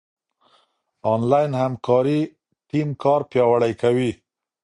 انلاين همکاري ټيم کار پياوړی کوي.